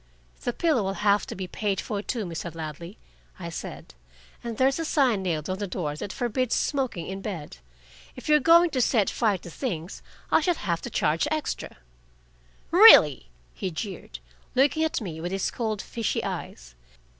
"The pillow will have to be paid for, too, Mr. Ladley," I said. "And there's a sign nailed on the door that forbids smoking in bed. If you are going to set fire to things, I shall have to charge extra." "Really!" he jeered, looking at me with his cold fishy eyes.